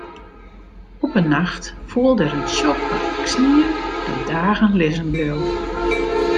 Op in nacht foel der in tsjok pak snie dat dagen lizzen bleau.